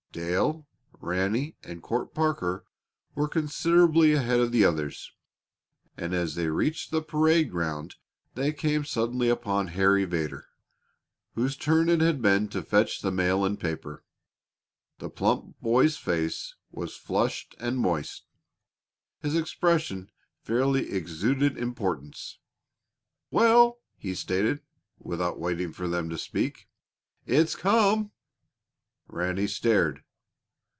Dale, Ranny, and Court Parker were considerably ahead of the others, and as they reached the parade ground they came suddenly upon Harry Vedder, whose turn it had been to fetch the mail and paper. The plump boy's face was flushed and moist; his expression fairly exuded importance. "Well!" he stated, without waiting for them to speak. "It's come." Ranny stared.